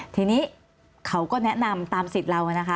ทีนี้เขาก็แนะนำตามสิทธิ์เรานะคะ